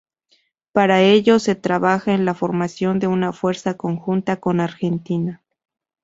Para ello se trabaja en la formación de una fuerza conjunta con Argentina.